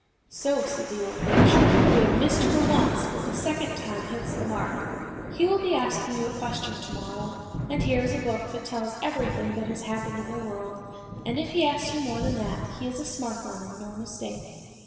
" So," said the old witch, " we have missed for once, but the second time hits the mark; he will be asking you a question to morrow, and here is a book that tells everything that has happened in the world, and if he asks you more than that he is a smart one and no mistake."